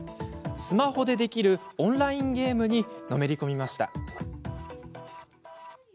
スマホでできるオンラインゲームにのめり込みました。